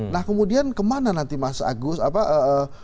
nah kemudian kemana nanti mas agus apa mas anies